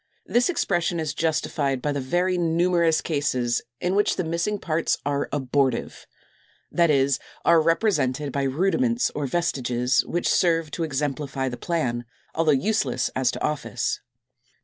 This expression is justified by the very numerous cases in which the missing parts are abortive, that is, are represented by rudiments or vestiges, which serve to exemplify the plan, although useless as to office.